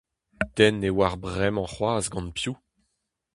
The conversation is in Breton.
Den ne oar bremañ c'hoazh gant piv.